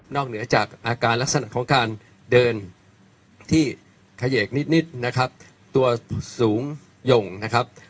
เหนือจากอาการลักษณะของการเดินที่เขยกนิดนะครับตัวสูงหย่งนะครับ